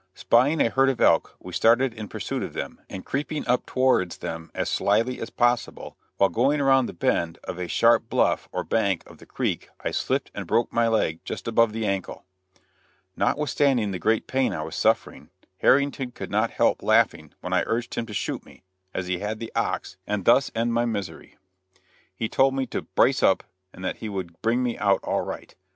Spying a herd of elk, we started in pursuit of them, and creeping up towards them as slyly as possible, while going around the bend of a sharp bluff or bank of the creek I slipped and broke my leg just above the ankle. Notwithstanding the great pain I was suffering, Harrington could not help laughing when I urged him to shoot me, as he had the ox, and thus end my misery. He told me to "brace up," and that he would bring me out "all right."